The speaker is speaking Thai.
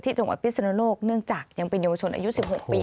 จังหวัดพิศนุโลกเนื่องจากยังเป็นเยาวชนอายุ๑๖ปี